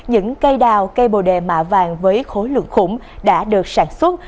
những cây đào cây bồ đề mạ vàng với khối lượng khủng đã được sản xuất